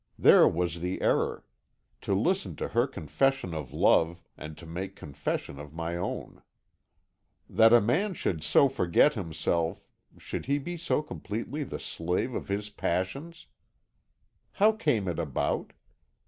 "There was the error. To listen to her confession of love, and to make confession of my own. "That a man should so forget himself should be so completely the slave of his passions! "How came it about?